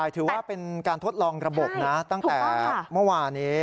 ถือว่าเป็นการทดลองระบบนะตั้งแต่เมื่อวานี้